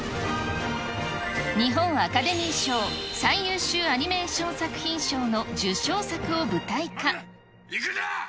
日本アカデミー賞最優秀アニメーション作品賞の受賞作を舞台化。